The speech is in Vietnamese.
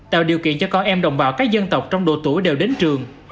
tạo điều kiện cho con em đồng bào các dân tộc trong độ tuổi đều đến trường